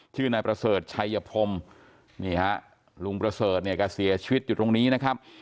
ชื่อนายประเสริฐชัยพรมนี่ฮะลุงประเสริฐเนี่ยก็เสียชีวิตอยู่ตรงนี้นะครับ